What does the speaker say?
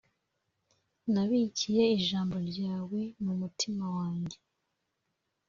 Nabikiye ijambo ryawe mumutima wanjye